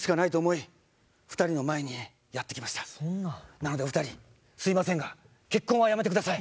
なのでお二人すいませんが結婚はやめてください！